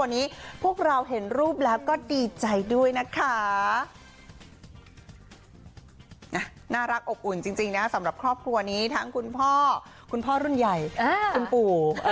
น่ารักอบอุ่นจริงจริงนะสำหรับครอบครัวนี้ทั้งคุณพ่อคุณพ่อรุ่นใหญ่คุณปู่